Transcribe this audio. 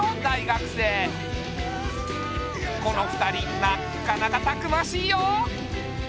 この二人なっかなかたくましいよ。